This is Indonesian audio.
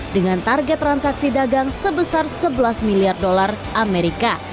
dengan target transaksi dagang sebesar sebelas miliar dolar amerika